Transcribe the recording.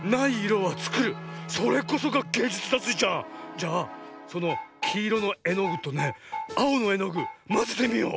じゃあそのきいろのえのぐとねあおのえのぐまぜてみよう。